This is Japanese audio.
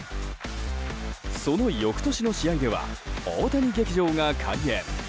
その翌年の試合では大谷劇場が開演。